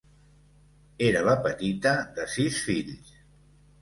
Era la petita de sis fills.